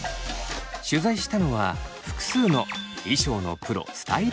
取材したのは複数の衣装のプロスタイリスト。